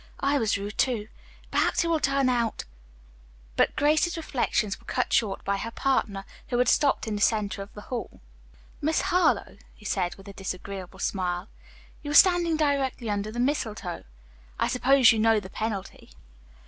I was rude, too. Perhaps he will turn out " But Grace's reflections were cut short by her partner, who had stopped in the center of the hall. "Miss Harlowe," he said with a disagreeable smile, "you are standing directly under the mistletoe. I suppose you know the penalty."